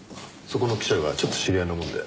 そこの記者がちょっと知り合いなもんで。